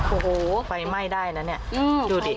โอ้โหไฟไหม้ได้แล้วนี่